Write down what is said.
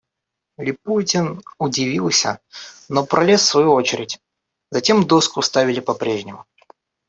Липутин удивился, но пролез в свою очередь; затем доску вставили по-прежнему.